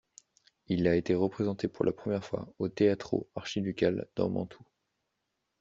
Il a été représenté pour la première fois au Teatro Arciducale dans Mantoue.